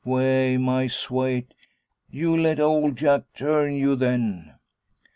Wa ay, my swate yu let old Jack turn yu, then!'